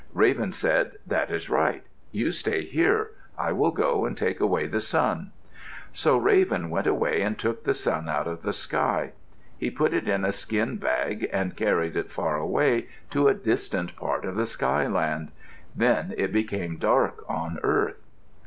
Raven said, "That is right. You stay here. I will go and take away the sun." So Raven went away and took the sun out of the sky. He put it in a skin bag and carried it far away, to a distant part of the skyland. Then it became dark on earth.